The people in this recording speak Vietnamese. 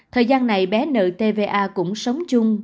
thời gian này bé nợ tva cũng sống chung